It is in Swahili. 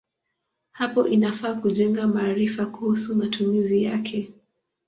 Hapo inafaa kujenga maarifa kuhusu matumizi yake.